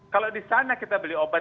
kalau di sana kita beli obat